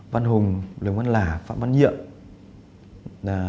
văn hùng văn lả phạm văn nhiệm